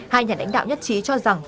hai nhà đánh đạo nhất trí cho rằng